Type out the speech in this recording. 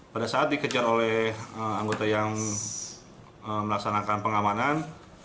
pada saat dikejar oleh anggota yang melaksanakan pengamanan